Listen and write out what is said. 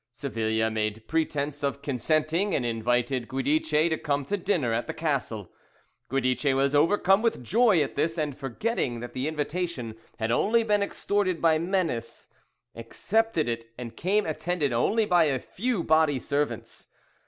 Savilia made pretence of consenting, and invited Guidice to come to dinner at the castle. Guidice was overcome with joy at this, and forgetting that the invitation had only been extorted by menace, accepted it, and came attended only by a few body servants.